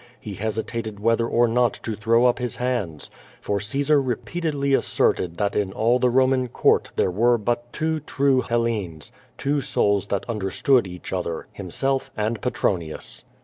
He hesitated whether or not to throw up his \ands. For Caesar reijeated ly asserted that in all the Roman court there were but two true Hellenes, two souls that understood each other, himself and Petronius.